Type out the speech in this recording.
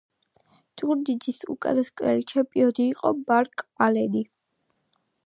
ტურნირის უკანასკნელი ჩემპიონი იყო მარკ ალენი.